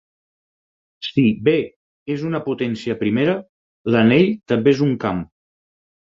Si "b" és una potència primera, l'anell també és un camp.